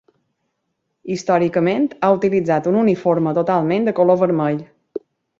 Històricament ha utilitzat un uniforme totalment de color vermell.